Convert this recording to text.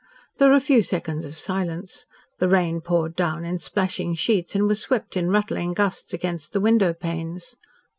There were a few seconds of silence. The rain poured down in splashing sheets and was swept in rattling gusts against the window panes.